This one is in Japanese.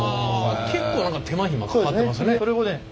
結構何か手間暇かかってますね。